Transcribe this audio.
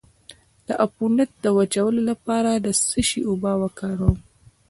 د عفونت د وچولو لپاره د څه شي اوبه وکاروم؟